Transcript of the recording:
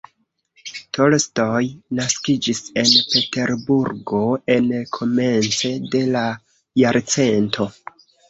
Tolstoj naskiĝis en Peterburgo en komence de la jarcento.